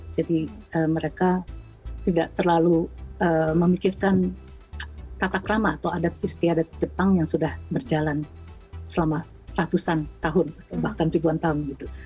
jadi mereka tidak terlalu memikirkan kata krama atau adat istiadat jepang yang sudah berjalan selama ratusan tahun atau bahkan ribuan tahun